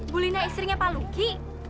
bu lina istrinya pak luki